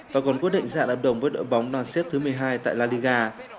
và còn quyết định ra đạp đồng với đội bóng đoàn xếp thứ một mươi hai tại la liga